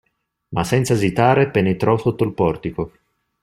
Ma senza esitare penetrò sotto il portico.